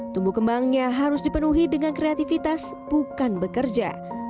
tumbuh kembangnya harus dipenuhi dengan kreativitas bukan bekerja